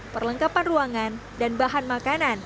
perlengkapan ruangan dan bahan makanan